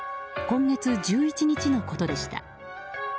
今月１１日のことでした。